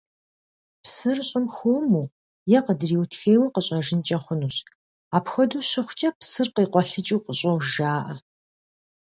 Псыр щӀым хуэму е къыдриутхейуэ къыщӀэжынкӀэ хъунущ, апхуэдэу щыхъукӀэ «Псыр къикъуэлъыкӀыу къыщӀож» жаӀэ.